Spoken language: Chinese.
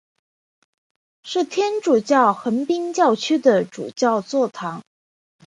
是天主教横滨教区的主教座堂。